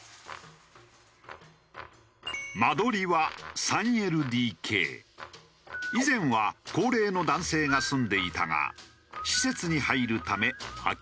間取りは以前は高齢の男性が住んでいたが施設に入るため空き家に。